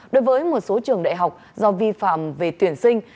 đối với một số trường đại học do vi phạm về tuyển sinh